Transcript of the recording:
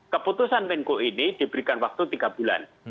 keputusan menko ini diberikan waktu tiga bulan